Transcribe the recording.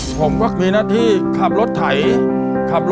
คุณผู้ชมครับ